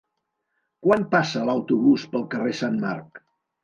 Quan passa l'autobús pel carrer Sant Marc?